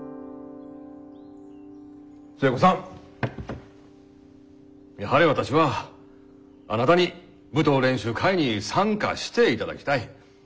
寿恵子さんやはり私はあなたに舞踏練習会に参加していただきたい。